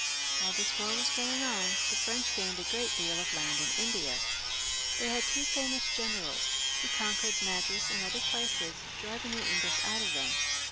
While this war was going on the French gained a great deal of land in India. They had two famous generals, who conquered Madras and other places, driving the English out of them.